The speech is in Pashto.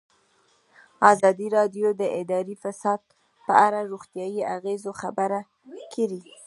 ازادي راډیو د اداري فساد په اړه د روغتیایي اغېزو خبره کړې.